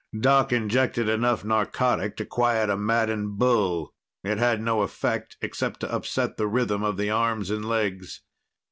Doc injected enough narcotic to quiet a maddened bull. It had no effect, except to upset the rhythm of the arms and legs.